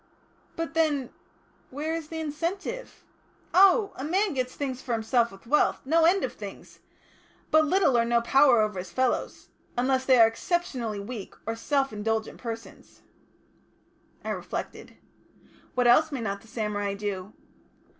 "But, then where is the incentive ?" "Oh! a man gets things for himself with wealth no end of things. But little or no power over his fellows unless they are exceptionally weak or self indulgent persons." I reflected. "What else may not the samurai do?"